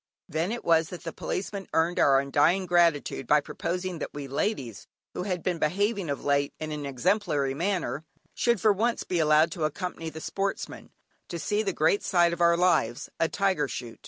Then it was that the Policeman earned our undying gratitude by proposing that we ladies, who had been behaving of late in an exemplary manner, should, for once, be allowed to accompany the Sportsmen, to see the great sight of our lives, a tiger shoot.